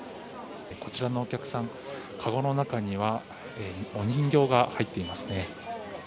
こちらのお客さん、かごの中には人形が入っていますね。